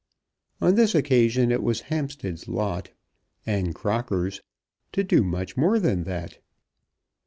On this occasion it was Hampstead's lot and Crocker's to do much more than that.